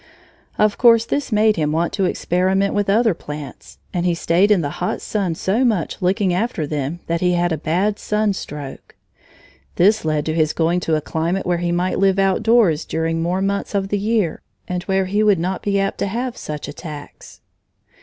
Of course this made him want to experiment with other plants, and he stayed in the hot sun so much looking after them that he had a bad sunstroke. This led to his going to a climate where he might live outdoors during more months of the year, and where he would not be apt to have such attacks.